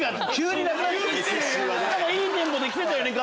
いいテンポできてたよね。